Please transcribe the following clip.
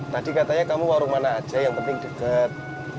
tadi katanya kamu warung mana aja yang penting dekat